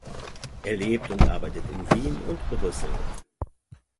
Er lebt und arbeitet in Wien und Brüssel.